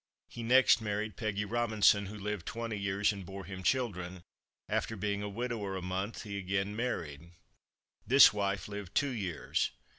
He next married Peggy Robinson, who lived twenty years, and bore him children; after being a widower a month, he again married. This wife lived two years.